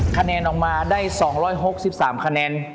คะแนนออกมาได้๒๖๓คะแนน